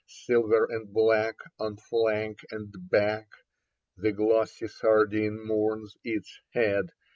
Silver and black on flank and back. The glossy sardine mourns its head.